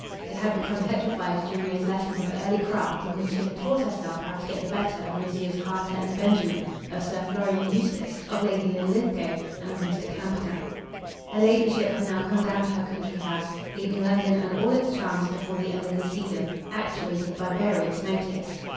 It had become petrified during those lessons of early craft in which she had taught herself how to get the better of Messrs. Harter and Benjamin, of Sir Florian Eustace, of Lady Linlithgow, and of Mr. Camperdown. Her ladyship had now come down to her country house, leaving London and all its charms before the end of the season, actuated by various motives.